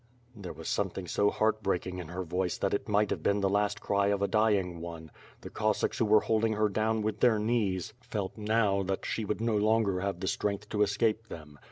There was something so heartbreaking in her voice that it might have been the last cry of a dying one. The Cossacks who were holding her down with their knees, felt now that she would no longer have the strength to escape them.